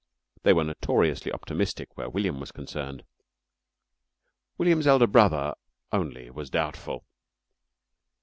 They were notoriously optimistic where William was concerned. William's elder brother only was doubtful.